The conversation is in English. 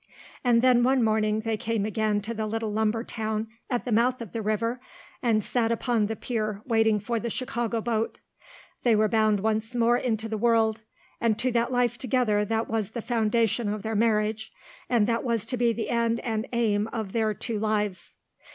And then one morning they came again to the little lumber town at the mouth of the river and sat upon the pier waiting for the Chicago boat. They were bound once more into the world, and to that life together that was the foundation of their marriage and that was to be the end and aim of their two lives.